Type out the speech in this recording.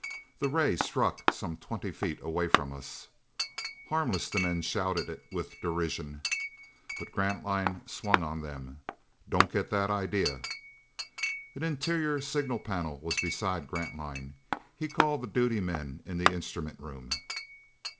The ray struck some twenty feet away from us. "Harmless!" The men shouted it with derision. But Grantline swung on them: "Don't get that idea!" An interior signal panel was beside Grantline. He called the duty men in the instrument room.